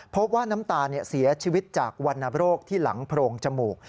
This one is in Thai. พบว่าน้ำตาลเสียชีวิตจากวรรณโรคที่หลังโพรงจมูก